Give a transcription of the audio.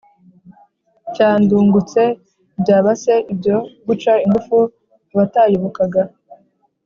cya Ndungutse byaba se ibyo guca ingufu abatayobokaga